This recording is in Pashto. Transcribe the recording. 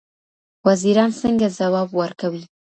وزیران څنګه ځواب ورکوي؟